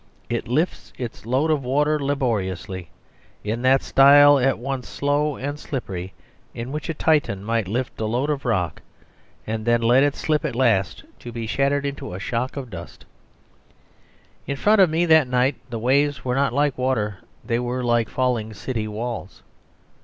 It lifts its load of water laboriously: in that style at once slow and slippery in which a Titan might lift a load of rock and then let it slip at last to be shattered into shock of dust. In front of me that night the waves were not like water: they were like falling city walls.